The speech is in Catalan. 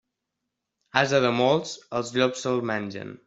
Ase de molts, els llops se'l mengen.